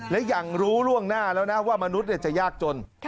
และยังรู้ล่วงหน้าแล้วนะว่ามนุษย์จะยากจน